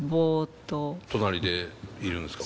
隣でいるんですか。